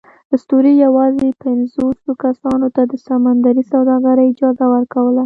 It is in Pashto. اسطورې یواځې پینځوسوو کسانو ته د سمندري سوداګرۍ اجازه ورکوله.